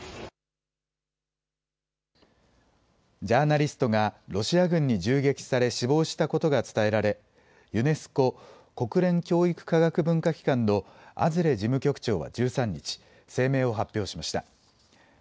ジャーナリストがロシア軍に銃撃され死亡したことが伝えられユネスコ・国連教育科学文化機関のアズレ事務局長は１３日、声明を発表しました。